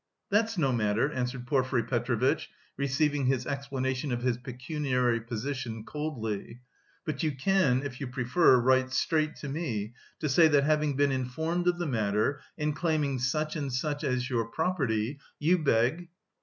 "That's no matter," answered Porfiry Petrovitch, receiving his explanation of his pecuniary position coldly, "but you can, if you prefer, write straight to me, to say, that having been informed of the matter, and claiming such and such as your property, you beg..."